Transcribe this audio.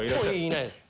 いないです。